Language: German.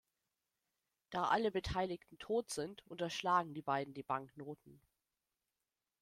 Da alle Beteiligten tot sind, unterschlagen die beiden die Banknoten.